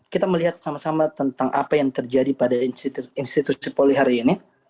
kita melihat sama sama tentang apa yang terjadi pada institusi polri hari ini